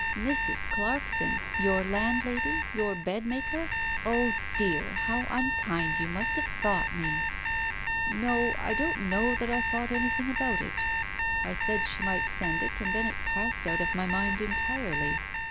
" Mrs. Clarkson — your landlady — your bedmaker ? Oh, dear, how unkind you must have thought me 1 " "No, I don't know that I thought anything about it. I said she might send it, and then it passed out of my mind entirely.